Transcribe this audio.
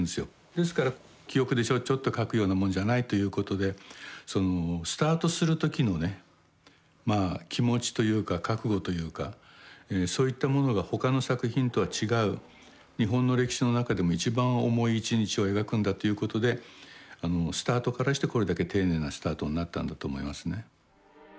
ですから記憶でちょっちょっと書くようなもんじゃないということでそのスタートする時のねまあ気持ちというか覚悟というかそういったものが他の作品とは違う日本の歴史の中でも一番重い一日を描くんだということでスタートからしてこれだけ丁寧なスタートになったんだと思いますね。